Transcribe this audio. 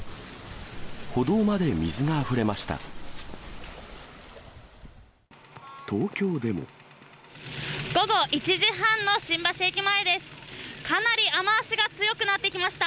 歩道まで水があふれました。